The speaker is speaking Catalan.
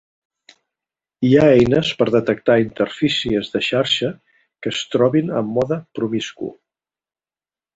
Hi ha eines per detectar interfícies de xarxa que es trobin en mode promiscu.